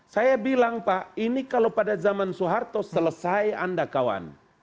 saya bilang pak ini kalau pada zaman soeharto selesai anda kawan